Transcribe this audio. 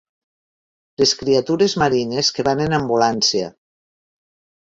Les criatures marines que van en ambulància.